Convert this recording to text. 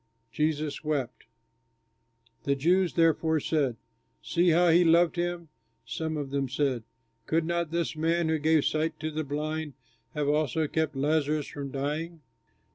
Jesus wept. The Jews therefore said, "See how he loved him!" Some of them said, "Could not this man who gave sight to the blind have also kept Lazarus from dying?"